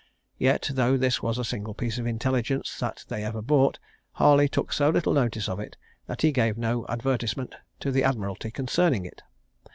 Yet, though this was a single piece of intelligence that they ever brought, Harley took so little notice of it, that he gave no advertisement to the Admiralty concerning it.